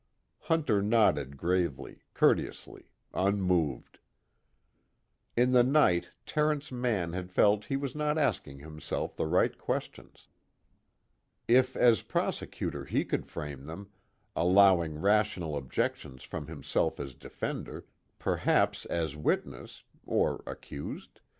Hunter nodded gravely, courteously, unmoved. In the night, Terence Mann had felt he was not asking himself the right questions. If as prosecutor he could frame them, allowing rational objections from himself as defender, perhaps as witness (or accused?)